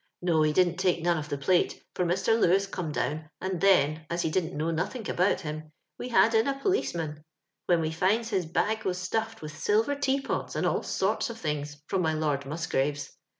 No, he didn't take none of the plate, for Mr. Lewis oome down, and then, as he didnt know nothink about him, we had in a pdioeman, when we finds his bag was staffed with silver tea pots and all sorts of things from my Lord Musgrave's.